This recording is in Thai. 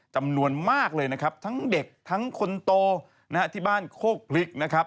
จำนวนมากเลยนะครับทั้งเด็กทั้งคนโตนะฮะที่บ้านโคกพริกนะครับ